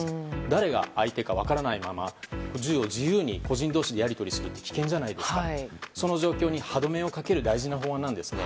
誰が相手か分からないまま銃を自由に個人同士でやり取りするって危険じゃないですかその状況に歯止めをかける大事な法案なんですね。